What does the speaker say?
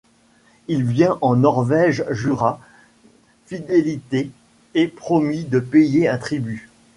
Il vient en Norvège jura fidélité et promis de payer un tribut.